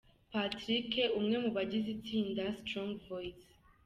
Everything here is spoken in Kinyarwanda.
Patrick umwe mu bagize itsinda Strong voice.